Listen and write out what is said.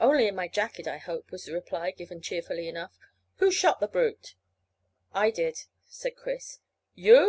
"Only in my jacket, I hope," was the reply, given cheerfully enough. "Who shot the brute?" "I did," said Chris. "You?"